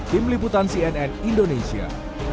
tim liputan cnn indonesia